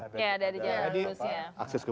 iya ada jalan lurusnya